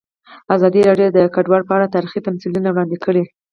ازادي راډیو د کډوال په اړه تاریخي تمثیلونه وړاندې کړي.